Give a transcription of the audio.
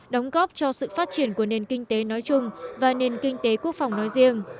đóng góp cho sự phát triển của nền kinh tế nói chung và nền kinh tế quốc phòng nói riêng